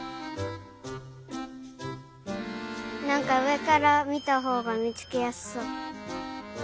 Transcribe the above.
なんかうえからみたほうがみつけやすそう。